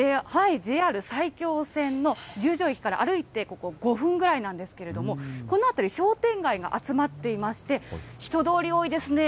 ＪＲ埼京線の十条駅から歩いてここ、５分ぐらいなんですけれども、この辺り、商店街が集まっていまして、人通り多いですね。